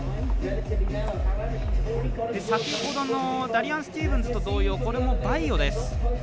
先ほどのダリアン・スティーブンズと同様これもバイオです。